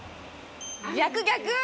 逆逆！